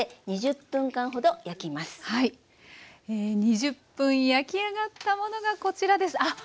これで２０分焼き上がったものがこちらです。